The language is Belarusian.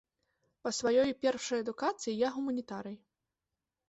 Па сваёй першай адукацыі я гуманітарый.